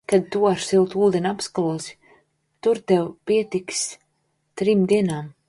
Kad tu ar siltu ūdeni apskalosi, tur tev pietiks trim dienām.